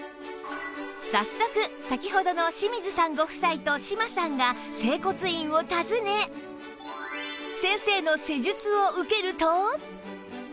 早速先ほどの清水さんご夫妻と島さんが整骨院を訪ね先生の施術を受けると